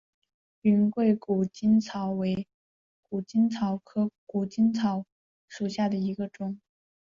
云贵谷精草为谷精草科谷精草属下的一个种。